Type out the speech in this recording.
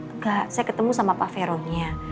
enggak saya ketemu sama pak fero nya